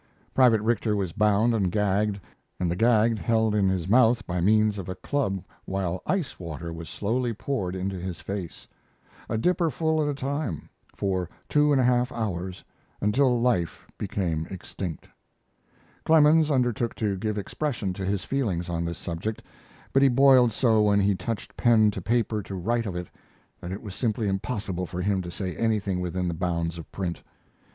Private Richter was bound and gagged and the gag held in his mouth by means of a club while ice water was slowly poured into his face, a dipper full at a time, for two hours and a half, until life became extinct.] Clemens undertook to give expression to his feelings on this subject, but he boiled so when he touched pen to paper to write of it that it was simply impossible for him to say anything within the bounds of print.